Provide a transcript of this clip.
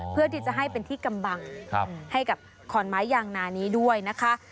เพื่อที่จะให้เป็นที่กำบังให้กับขอนไม้ยางนานี้ด้วยนะคะ